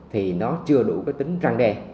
thì nó chưa đủ tính răng đe